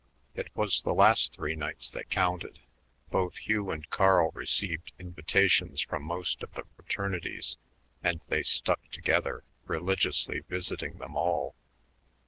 It was the last three nights that counted. Both Hugh and Carl received invitations from most of the fraternities, and they stuck together, religiously visiting them all.